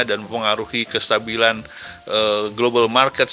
dan mempengaruhi kestabilan global market